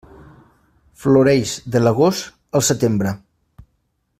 Floreix de l'agost al setembre.